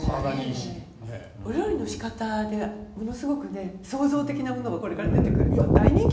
お料理の仕方で創造的なものがこれから出てくると大人気に。